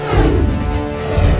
jangan lupa untuk berlangganan